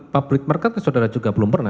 public market saudara juga belum pernah